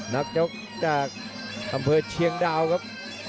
นักยกจากอำเภอเชียงดาวครับ